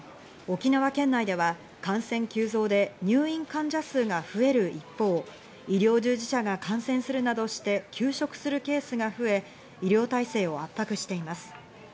沖縄県内では感染急増で入院患者数が増える一方、医療従事者が感染するなどして休職するケースが増え、医療態勢を圧迫しています。